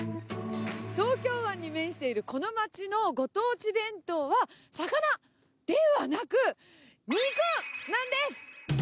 東京湾に面しているこの町のご当地弁当は、魚、ではなく、肉なんです。